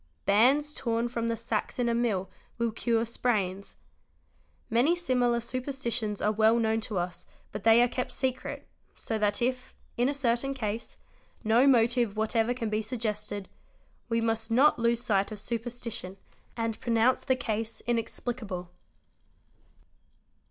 Bands torn from the sacks in a mill will cure sprains "!. Many similar superstitions are well known to us but they are kept secret, so that if, in a certain case, no motive whatever can be suggested, we must 'not lose | sight of superstition and pronounce the case inexplicable.